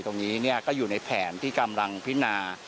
ตรงนี้ก็อยู่ในแผนที่กำลังพินา